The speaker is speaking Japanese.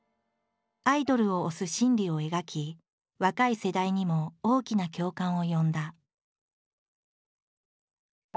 アイドルを推す心理を描き若い世代にも大きな共感を呼んだ。